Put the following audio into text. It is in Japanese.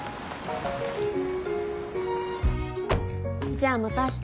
じゃあまた明日。